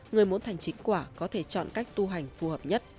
người muốn thành chính quả có thể chọn cách tu hành phù hợp nhất